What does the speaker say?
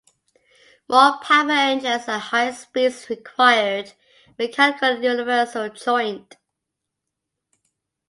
More powerful engines and higher speeds required a mechanical universal joint.